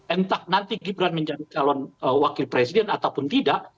entah nanti gibran menjadi calon wakil presiden ataupun tidak